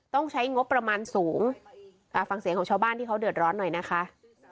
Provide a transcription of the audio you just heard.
ต้องใช้งบประมาณสูงฟังเสียงของชาวบ้านที่เขาเดือดร้อนหน่อยนะคะ